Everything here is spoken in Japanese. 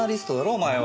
お前は。